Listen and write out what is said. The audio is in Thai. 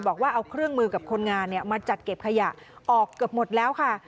บอกว่าเอาเครื่องมือกับคนงานมาจัดเก็บขยะออกเกือบหมดแล้วค่ะ